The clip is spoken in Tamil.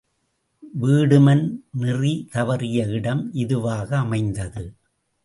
வீடுமன் நெறிதவறிய இடம் இதுவாக அமைந்தது.